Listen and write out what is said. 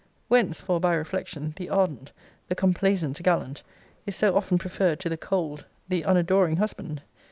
Whence, for a by reflection, the ardent, the complaisant gallant is so often preferred to the cold, the unadoring husband.